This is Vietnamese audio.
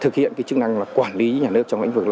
chức năng quản lý nhà nước trong lĩnh vực